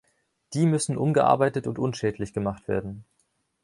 Die müssen umgearbeitet und unschädlich gemacht werden.